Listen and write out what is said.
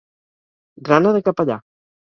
Grana de capellà.